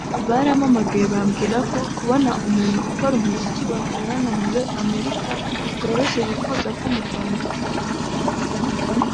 barampamagaye bambwira ko kubona umuntu ukora umuziki bakorana muri Amerika bitoroshye bifuza ko mu Rwanda ari njye twakorana